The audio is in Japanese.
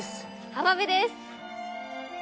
浜辺です！